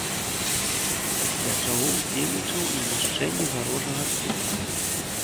Пасля чаго ўдзельнічаў у знішчэнні варожага дзота.